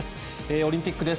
オリンピックです。